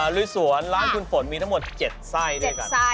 ลุยสวนร้านคุณฝนมีทั้งหมด๗ไส้ด้วยกัน